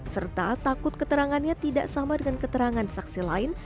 serta takut keterangannya tidak sama dengan keterangan saksi lain